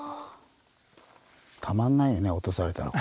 たまんないよね落とされたら。